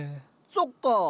そっか。